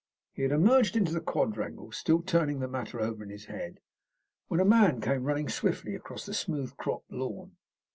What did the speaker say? He had emerged into the quadrangle, still turning the matter over in his head, when a man came running swiftly across the smooth cropped lawn.